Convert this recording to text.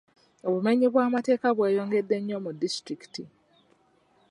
Obumenyi bw'amateeka bweyongedde nnyo mu disitulikiti.